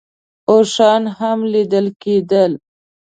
اوښان هم لیدل کېدل.